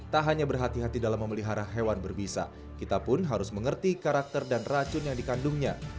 tak hanya berhati hati dalam memelihara hewan berbisa kita pun harus mengerti karakter dan racun yang dikandungnya